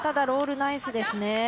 ロール、ナイスですね。